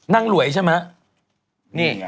นั่งหลวยใช่ไหม